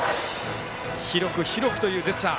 広く、広くというジェスチャー。